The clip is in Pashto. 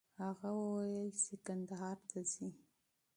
هغه وویل چې کندهار ته ځي.